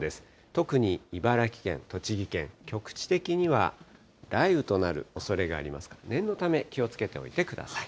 特に茨城県、栃木県、局地的には雷雨となるおそれがありますから、念のため、気をつけておいてください。